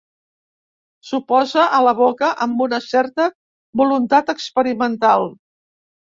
S'ho posa a la boca amb una certa voluntat experimental.